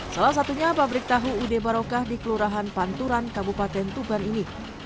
salah satunya pabrik tahu ude barokah di kelurahan panturan kabupaten tuban ini